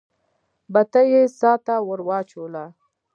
بتۍ يې څا ته ور واچوله.